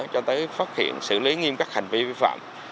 cho tới phát hiện xử lý nghiêm các hành vi vi phạm